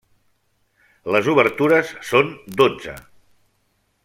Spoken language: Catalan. Les obertures són dotze.